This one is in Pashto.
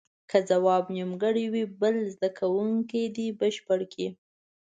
که ځواب نیمګړی وي بل زده کوونکی دې بشپړ کړي.